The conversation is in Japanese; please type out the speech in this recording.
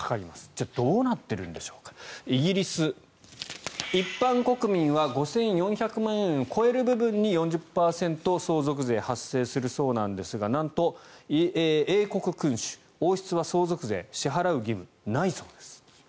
じゃあどうなっているんでしょうかイギリス、一般国民は５４００万円を超える部分に４０％、相続税が発生するそうなんですがなんと、英国君主王室は相続税を支払う義務ないそうです。